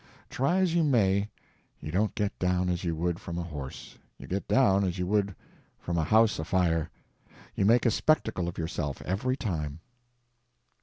Try as you may, you don't get down as you would from a horse, you get down as you would from a house afire. You make a spectacle of yourself every time.